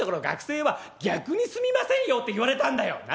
学生は逆に住みませんよ』って言われたんだよ」。